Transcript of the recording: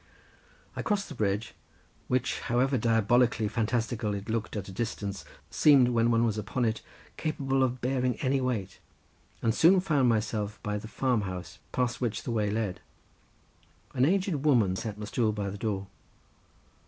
I crossed the bridge, which however diabolically fantastical it looked at a distance, seemed when one was upon it capable of bearing any weight, and soon found myself by the farm house past which the way led. An aged woman sat on a stool by the door.